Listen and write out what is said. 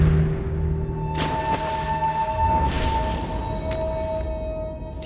โปรดติดตามตอนต่อไป